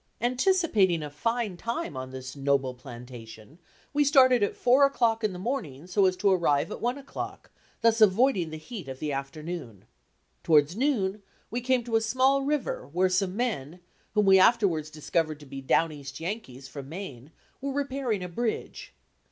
Anticipating a fine time on this noble "plantation," we started at four o'clock in the morning so as to arrive at one o'clock, thus avoiding the heat of the afternoon. Towards noon we came to a small river where some men, whom we afterwards discovered to be down east Yankees, from Maine, were repairing a bridge.